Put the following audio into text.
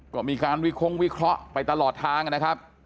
ก็มีการวิคงวิเคราะห์ไปตลอดทางนะครับ